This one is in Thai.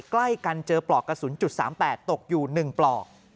ใกล้กันเจอปลอกกระสุน๓๘ตกอยู่๑ปลอก